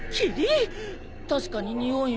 確かににおいも。